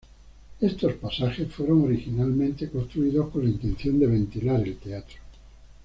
Estos pasajes fueron originalmente construidos con la intención de ventilar el teatro.